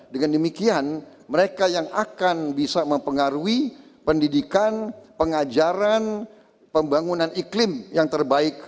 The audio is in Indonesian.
dengan demikian mereka yang akan bisa mempengaruhi pendidikan pengajaran pembangunan iklim yang terbaik